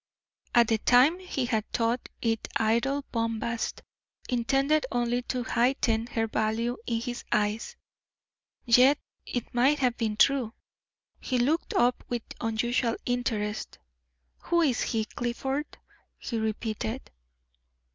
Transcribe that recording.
At the time he had thought it idle bombast, intended only to heighten her value in his eyes yet it might have been true. He looked up with unusual interest. "Who is he, Clifford?" he repeated.